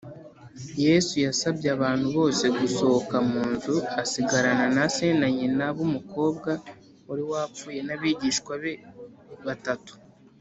yesu yasabye abantu bose gusohoka mu nzu, asigarana na se na nyina b’umukobwa wari wapfuye, n’abigishwa be batatu